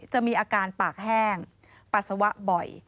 จะมีอาการปากแห้งปัสสาวะบ่อย